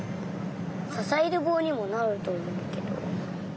ささえるぼうにもなるとおもうけど。